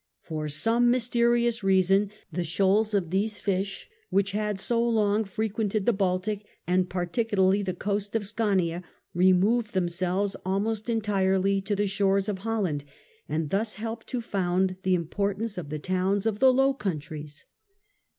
For some mysterious reason the shoals of these fish, which had so long frequented the Baltic and particularly the coast of Skaania, removed themselves almost entirely to the shores of Holland, and thus helped to found the importance of the towns of the Low Countries.